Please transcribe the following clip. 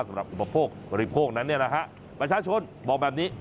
อุปโภคบริโภคนั้นเนี่ยนะฮะประชาชนบอกแบบนี้